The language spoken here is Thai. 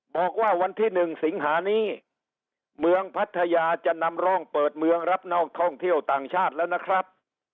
บอกว่าวันที่๑สิงหานี้เมืองพัทยาจะนำร่องเปิดเมืองรับนอกท่องเที่ยวต่างชาติแล้วนะครับ